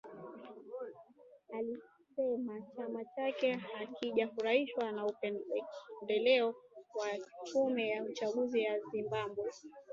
Alisema chama chake hakijafurahishwa na upendeleo wa tume ya uchaguzi ya Zimbabwe